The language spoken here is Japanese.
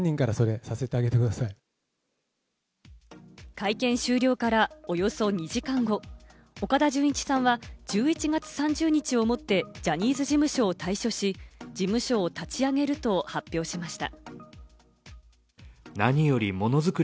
会見終了からおよそ２時間後、岡田准一さんは１１月３０日をもって、ジャニーズ事務所を退所し、事務所を立ち上げると発表しました。